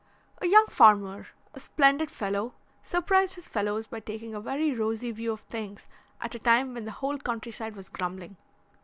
A young farmer, a splendid fellow, surprised his fellows by taking a very rosy view of things at a time when the whole country side was grumbling.